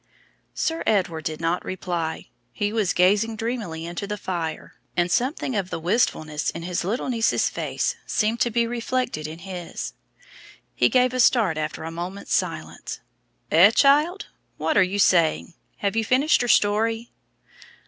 Sir Edward did not reply. He was gazing dreamily into the fire, and something of the wistfulness in his little niece's face seemed to be reflected in his. He gave a start after a moment's silence. "Eh, child? What are you saying? Have you finished your story?"